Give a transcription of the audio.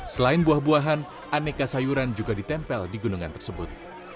selain buah buahan aneka sayuran juga ditempel di gunungan tersebut